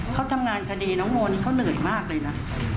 เขาทำงานคดีน้องโมนี่เขาเหนื่อยมากเลยนะ